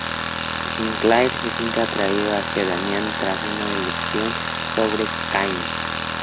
Sinclair se siente atraído hacia Demian, tras una lección sobre Caín.